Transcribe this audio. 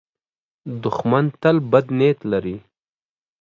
دښمن تل بد نیت لري